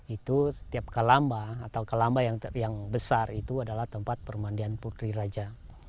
itu setiap kalamba atau kalamba yang besar itu adalah tempat permandian putri raja